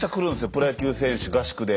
プロ野球選手合宿で。